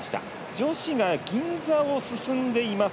女子が銀座を進んでいます。